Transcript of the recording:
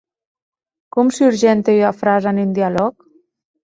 Com surgente ua frasa en un dialòg?